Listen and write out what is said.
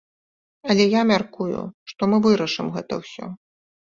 Але я мяркую, што мы вырашым гэта ўсё.